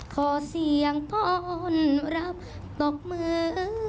ขอเสียงป้อนรับตบมือ